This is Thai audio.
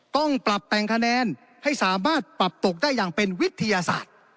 ต้องปรับแต่งคะแนนให้สามารถปรับตกได้อย่างเป็นวิทยาศาสตร์